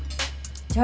kamu mau ngerti